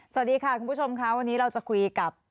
สวัสดีค่ะคุณผู้ชมค่ะวันนี้เราจะคุยกับ